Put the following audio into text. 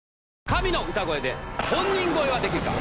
神の歌声で本人超えはできるか？